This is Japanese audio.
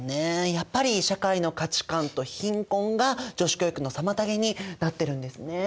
やっぱり社会の価値観と貧困が女子教育の妨げになってるんですね。